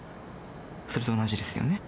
それと同じですよね。